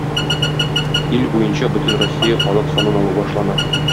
Ил буенча Бөтенроссия халык санын алу башлана.